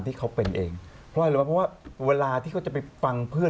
ถ้าป๊าป๊าไม่พูดครับมายุจะไม่รักป๊า